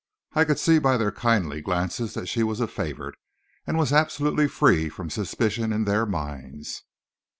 I could see by their kindly glances that she was a favorite, and was absolutely free from suspicion in their minds.